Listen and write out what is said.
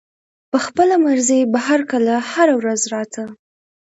پۀ خپله مرضۍ به کله هره ورځ راتۀ